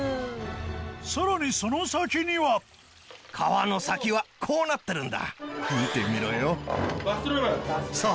さらにその先には川の先はこうなってるんだ見てみろよ。